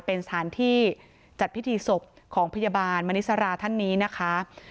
เป็นสถานที่จัดพิธีศพของพยาบาลมณิสราท่านนี้นะคะ